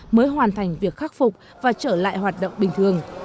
mới hoàn thành việc khắc phục và trở lại hoạt động bình thường